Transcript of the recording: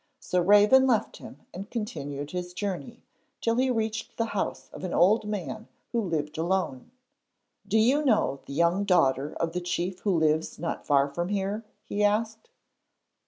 So Raven left him and continued his journey till he reached the house of an old man who lived alone. 'Do you know the young daughter of the chief who lives not far from here?' he asked.